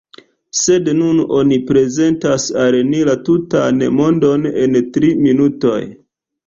Sed nun oni prezentas al ni la tutan mondon en tri minutoj.